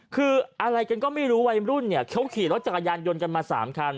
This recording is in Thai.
คืออะไรกันก็ไม่รู้วัยรุ่นเนี่ยเขาขี่รถจักรยานยนต์กันมา๓คัน